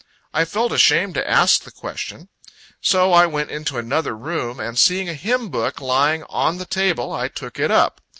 I felt ashamed to ask the question; so I went into another room; and seeing a hymn book lying on the table, I took it up.